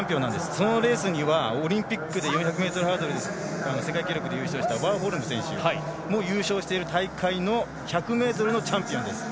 そのレースでは４００ｍハードルの世界記録で優勝したワーホルム選手が優勝している大会の１００ｍのチャンピオンです。